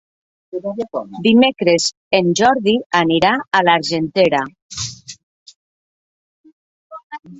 Dimecres en Jordi anirà a l'Argentera.